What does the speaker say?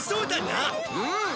うん。